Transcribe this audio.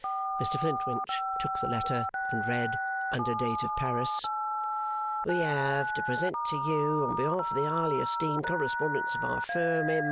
Mr Flintwinch took the letter, and read, under date of Paris, 'We have to present to you, on behalf of a highly esteemed correspondent of our Firm, M.